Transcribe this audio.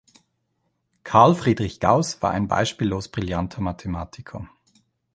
Carl Friedrich Gauß war ein beispiellos brillanter Mathematiker.